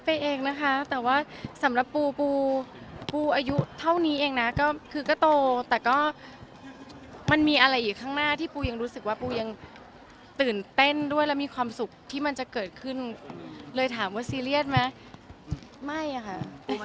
เพราะโดยไม่มีจุดที่ทำให้เรารู้สึกว่าเราต้องหยุดได้แล้ว